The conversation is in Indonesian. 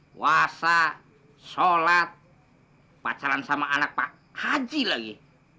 puasa sholat pacaran sama anak pak haji lagi